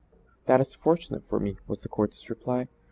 "That is fortunate for me," was the courteous reply.